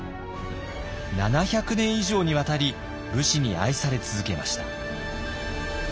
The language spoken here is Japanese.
７００年以上にわたり武士に愛され続けました。